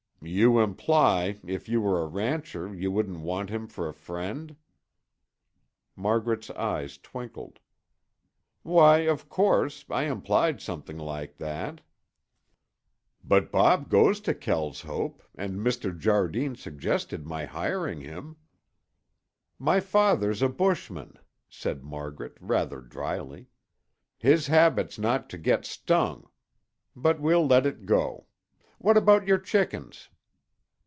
"You imply, if you were a rancher, you wouldn't want him for a friend?" Margaret's eyes twinkled. "Why, of course, I implied something like that." "But Bob goes to Kelshope, and Mr. Jardine suggested my hiring him." "My father's a bushman," said Margaret, rather dryly. "His habit's not to get stung; but we'll let it go. What about your chickens?"